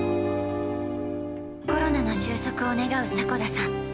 コロナの収束を願う迫田さん。